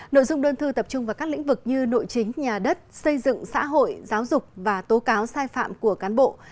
nội dung đơn thư tập trung vào các lĩnh vực như nội chính nhà đất xây dựng xã hội giáo dục và tố cáo sai phạm của cán bộ